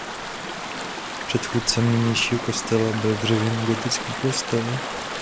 Předchůdcem nynějšího kostela byl dřevěný gotický kostel.